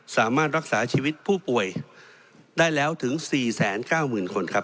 สามารถรักษาชีวิตผู้ป่วยได้แล้วถึงสี่แสนเก้าหมื่นคนครับ